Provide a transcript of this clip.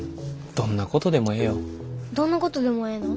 どんなことでもええの？